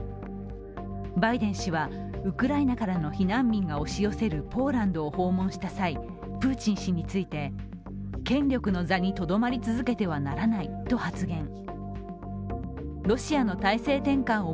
バイデン氏はウクライナからの避難民が押し寄せるポーランドを訪問した際、プーチン氏について、権力の座にとどまりつけてはならないと発言。